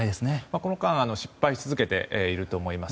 この間失敗し続けていると思います。